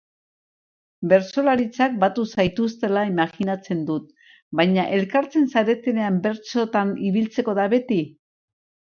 Bertsolaritzak batu zaituztela imajinatzen dut, baina elkartzen zaretenean bertsotan ibiltzeko da beti?